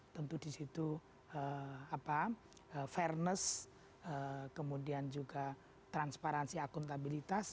tentu di situ fairness kemudian juga transparansi akuntabilitas